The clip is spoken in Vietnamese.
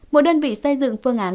một đơn vị xây dựng phương án